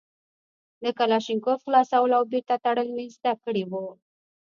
د کلاشينکوف خلاصول او بېرته تړل مې زده کړي وو.